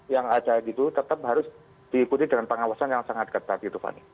yang ada gitu tetap harus diikuti dengan pengawasan yang sangat ketat gitu fani